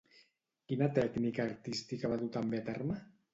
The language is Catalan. Quina tècnica artística va dur també a terme?